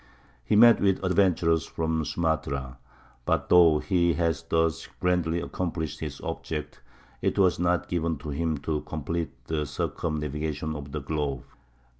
He met with adventurers from Sumatra. But, though he had thus grandly accomplished his object, it was not given to him to complete the circumnavigation of the globe.